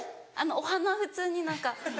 お花普通に何か。